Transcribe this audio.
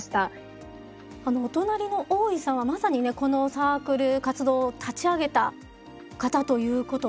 お隣の大井さんはまさにねこのサークル活動を立ち上げた方ということで。